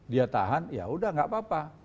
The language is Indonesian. dia tahan ya udah gak apa apa